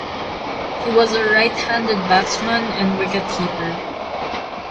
He was a right-handed batsman and wicket-keeper.